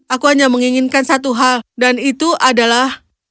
aku hanya menginginkan satu hal dan itu adalah